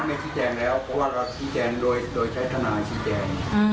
ไม่ชี้แจงแล้วเพราะว่าเราชี้แจงโดยใช้ทนายชี้แจง